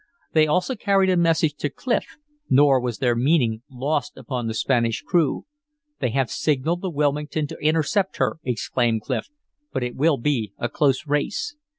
They also carried a message to Clif, nor was their meaning lost upon the Spanish crew. "They have signaled the Wilmington to intercept her," exclaimed Clif. "But it will be a close race."